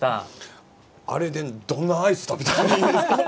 あれでどんなアイス食べたらいいですかね。